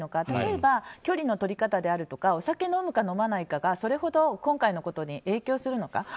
例えば、距離の取り方であるとかお酒飲むか飲まないかがそれほど影響するのか。